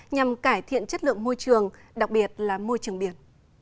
nhằm cải thiện chất lượng môi trường đặc biệt là môi trường biển